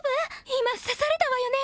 今刺されたわよね？